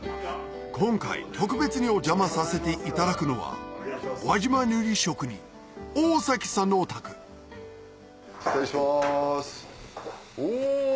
今回特別にお邪魔させていただくのは輪島塗職人大崎さんのお宅失礼しますお！